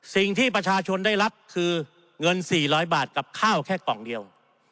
สิ่งที่ประชาชนได้รับคือเงิน๔๐๐บาทกับข้าวแค่กล่องเดียว